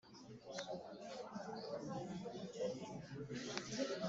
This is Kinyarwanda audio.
arongera aramubaza ati: “Urarora ririya tabaza ryaka cyane?